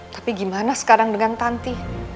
tapi gimana sekarang dengan tanti